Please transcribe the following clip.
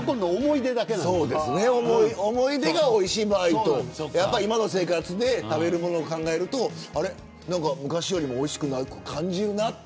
思い出がおいしい場合と今の生活で食べるものを考えると昔よりもおいしくないと感じるなと。